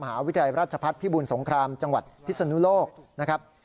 วิทยาลราชพัฒน์พิบูรสงครามจังหวัดพิศนุโลกนะครับ